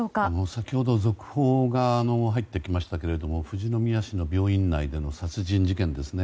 先ほど続報が入ってきましたけども富士宮市の病院内での殺人事件ですね。